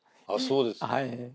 あっそうですか。